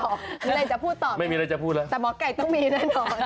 อะไรจะพูดต่อไม่มีอะไรจะพูดแล้วแต่หมอไก่ต้องมีแน่นอน